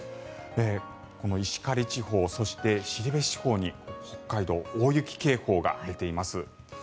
この石狩地方そして後志地方に北海道、大雪警報が出ています。